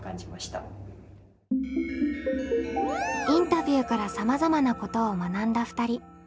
インタビューからさまざまなことを学んだ２人。